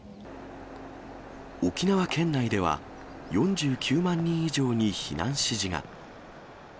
沖縄県内では、４９万人以上に避難指示が。